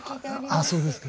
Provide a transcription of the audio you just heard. ああそうですか。